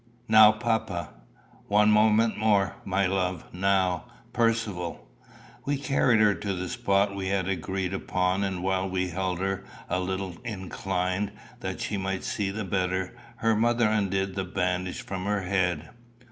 Now, papa!" "One moment more, my love. Now, Percivale." We carried her to the spot we had agreed upon, and while we held her a little inclined that she might see the better, her mother undid the bandage from her head.